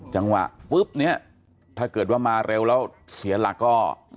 จังหวะปุ๊บเนี่ยถ้าเกิดว่ามาเร็วแล้วเสียหลักก็